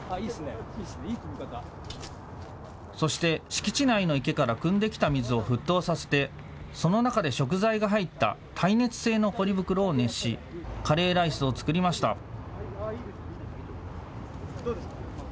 そして敷地内の池からくんできた水を沸騰させてその中で食材が入った耐熱性のポリ袋を熱しカレーライスを作りました。